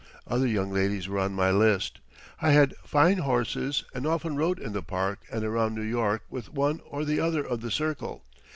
Other young ladies were on my list. I had fine horses and often rode in the Park and around New York with one or the other of the circle.